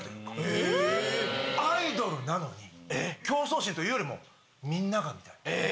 アイドルなのに競争心というよりも「みんなが」みたいな。え！